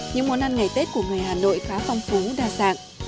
những món ăn ngày tết của người hà nội khá phong phú đa dạng